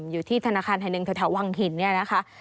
อยู่ที่ธนาคารธนเนินแถววังหินเนี่ยนะคะ